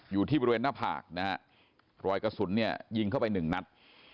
อยู่ที่บริเวณหน้าผากนะฮะรอยกระสุนเนี่ยยิงเข้าไปหนึ่งนัด